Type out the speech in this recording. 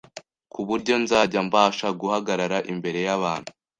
ku buryo nzajya mbasha guhagarara imbere y’abantu